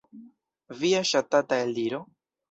Via ŝatata eldiro?